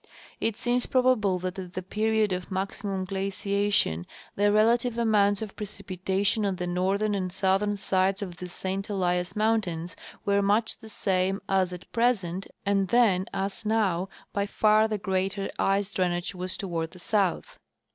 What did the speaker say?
It seems probable that at the period of maximum giaciation the relative amounts of precipitation on the northern and southern sides of the St Elias mountains were much the same as at present, and then as now by far the greater ice drainage was toAvard the south.